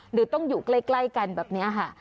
หรือต้องอยู่ใกล้กันแบบนี้ค่ะ